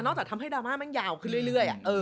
จากทำให้ดราม่าแม่งยาวขึ้นเรื่อย